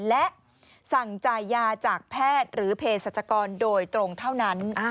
และสั่งจ่ายยาจากแพทย์หรือเพศรัชกรโดยตรงเท่านั้น